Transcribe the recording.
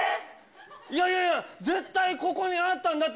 いやいやいや、絶対ここにあったんだって。